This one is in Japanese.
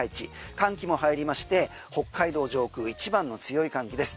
寒気も入りまして北海道上空一番の強い寒気です。